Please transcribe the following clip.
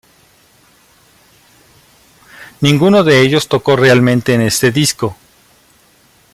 Ninguno de ellos tocó realmente en este disco.